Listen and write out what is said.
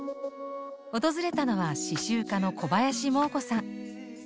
訪れたのは刺しゅう家の小林モー子さん。